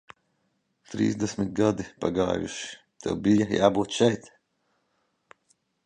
Trīsdesmit gadi pagājuši, tev bija jābūt šeit.